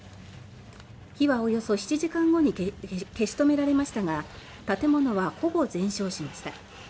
火はおよそ７時間後に消し止められましたが建物はほぼ全焼しました。